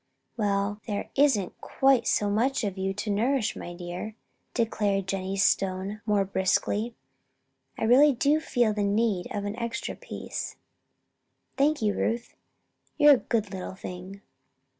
"Well, there isn't quite so much of you to nourish, my dear," declared Jennie Stone, more briskly. "I really do feel the need of an extra piece. Thank you, Ruth! You're a good little thing."